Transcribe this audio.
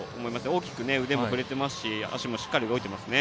大きく腕も振れていますし足もしっかり動いていますね。